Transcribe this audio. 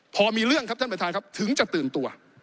พอมีเรื่องครับท่านประธานครับถึงจะตื่นตัว